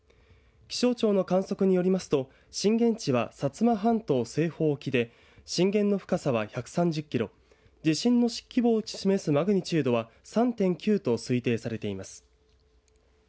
気象庁の観測によりますと震源地は薩摩半島西方沖で震源の深さは１３０キロ地震の規模を示すマグニチュードは３．９と推定されています。